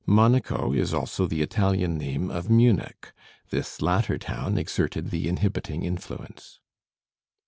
Monaco is also the Italian name of Munich; this latter town exerted the inhibiting influence.